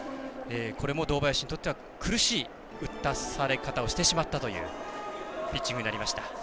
これも堂林にとっては苦しい打たされ方をしたピッチングになりました。